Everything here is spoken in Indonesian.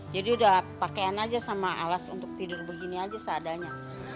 jadi udah pakaian aja sama alas untuk tidur begini aja seadanya